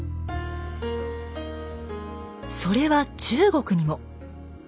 それは中国にも。